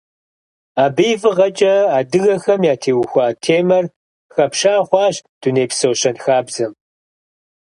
Абы и фӀыгъэкӀэ адыгэхэм ятеухуа темэр хэпща хъуащ дунейпсо щэнхабзэм.